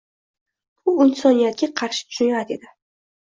Bu insoniyatga qarshi jinoyat edi.